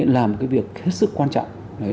là một cái việc hết sức quan trọng